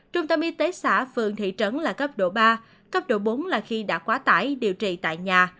trung tâm y tế xã phường thị trấn là cấp độ ba cấp độ bốn là khi đã quá tải điều trị tại nhà